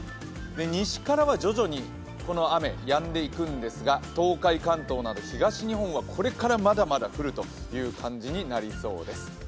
西からは徐々にこの雨、やんでいくんですが東海、関東など東日本はこれから、まだまだ降るという感じになりそうです。